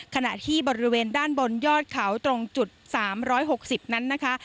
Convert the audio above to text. ขณะที่บริเวณด้านบนยอดเขาตรงจุด๓๖๐นั้นนะคะ